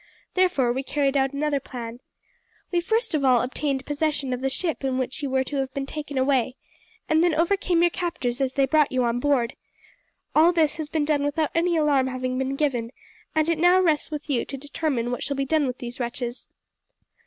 Therefore we carried out another plan. We first of all obtained possession of the ship in which you were to have been taken away, and then overcame your captors as they brought you on board. All this has been done without any alarm having been given, and it now rests with you to determine what shall be done with these wretches."